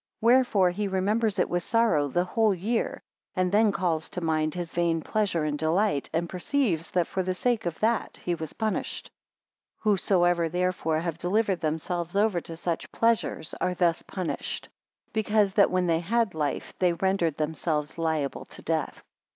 37 Wherefore he remembers it with sorrow the whole year; and then calls to mind his vain pleasure and delight, and perceives that for the sake of that he was punished. 38 Whosoever therefore have delivered themselves over to such pleasures, are thus punished; because that when they had life, they rendered themselves liable to death.